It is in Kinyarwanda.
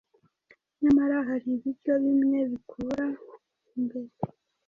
Nyamara, hari ibiryo bimwe bikura imbere